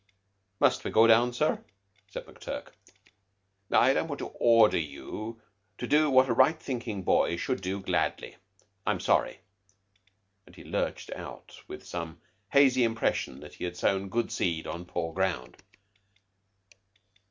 "Must we go down, sir?' said McTurk. "I don't want to order you to do what a right thinking boy should do gladly. I'm sorry." And he lurched out with some hazy impression that he had sown good seed on poor ground.